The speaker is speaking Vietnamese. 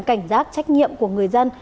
cảnh giác trách nhiệm của người dân